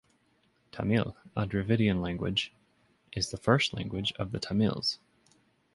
Tamil, a Dravidian language, is the first language of the Tamils.